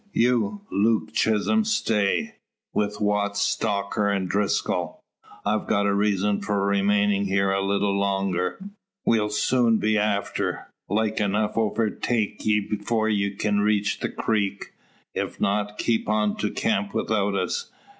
You, Luke Chisholm, stay; with Watts, Stocker, and Driscoll. I've got a reason for remaining here a little longer. We'll soon be after, like enough overtake ye 'fore you can reach the creek. If not, keep on to camp without us.